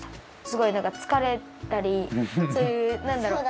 すごいつかれたりそういうなんだろう